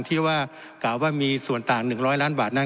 ที่ว่ากล่าวว่ามีส่วนต่าง๑๐๐ล้านบาทนั้น